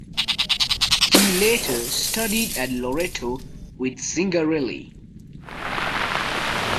He later studied at Loreto with Zingarelli.